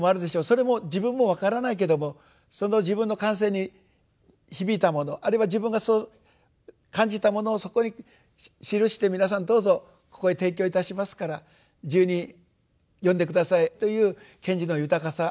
それも自分も分からないけどもその「自分の感性に響いたものあるいは自分がそう感じたものをそこに記して皆さんどうぞここへ提供いたしますから自由に読んで下さい」という賢治の豊かさ。